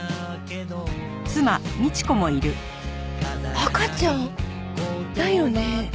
赤ちゃん？だよね？